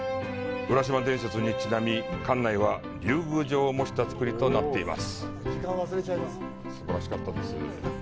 浦島伝説にちなみ、館内は竜宮城を模した造りとなっています。